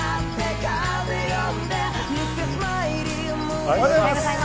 おはようございます。